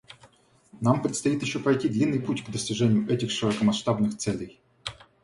Нам предстоит еще пройти длинный путь к достижению этих широкомасштабных целей.